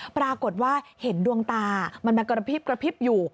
ปรากฏว่าเห็นดวงตามันกระพริบอยู่